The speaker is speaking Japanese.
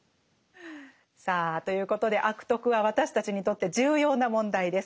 さあということで「悪徳」は私たちにとって重要な問題です。